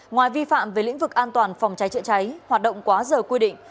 ngoài vi phạm về lĩnh vực an toàn phòng cháy chữa cháy hoạt động quá giờ quy định